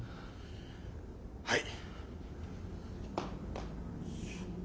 はい。